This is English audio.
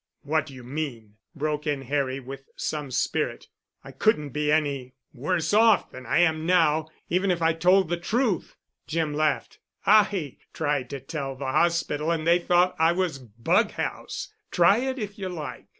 "What do you mean?" broke in Harry with some spirit. "I couldn't be any worse off than I am now, even if I told the truth." Jim laughed. "I tried to tell in the hospital and they thought I was bug house. Try it if you like."